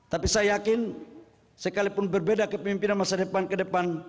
tapi saya yakin sekalipun berbeda kepemimpinan masa depan kedepan